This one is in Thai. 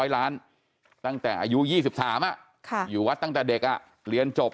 ๑๐๐ล้านตั้งแต่อายุ๒๓อ่ะอยู่วัดตั้งแต่เด็กอ่ะเหรียญจบ